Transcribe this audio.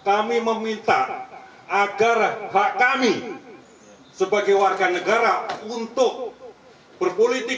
kami meminta agar hak kami sebagai warga negara untuk berpolitik